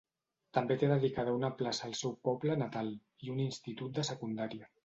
També té dedicada una plaça al seu poble natal, i un institut de secundària.